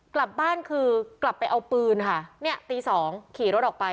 กลับบ้านคือกลับไปเอาปืนค่ะเนี่ยตีสองขี่รถออกไป